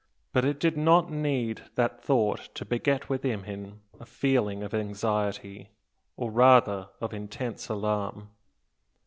But it did not need that thought to beget within him a feeling of anxiety, or, rather, of intense alarm.